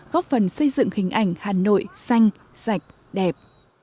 góp phần xây dựng hình ảnh hà nội xanh sạch đẹp